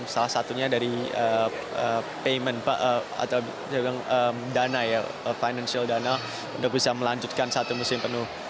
salah satunya dari payment atau financial dana untuk bisa melanjutkan satu musim penuh